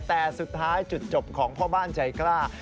แต่สุดท้ายจุดจบของพ่อบ้านใจกล้า